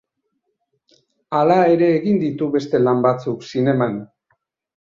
Hala ere egin ditu beste lan batzuk zineman.